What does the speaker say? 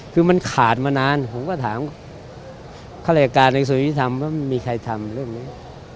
คือมันขาดมานานเข้าใจการในสวัสดิ์ดิสัมค์ว่าไม่มีใครทำเรื่องนี้